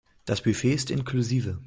Das Buffet ist inklusive.